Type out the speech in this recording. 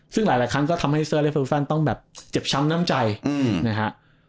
ซึ่งหลายครั้งก็ทำให้เซอร์เลฟูแฟนต้องแบบเจ็บช้ำน้ำใจนะฮะ